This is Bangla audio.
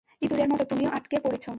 ইঁদুরের মতো, তুমিও আটকা পড়েছো।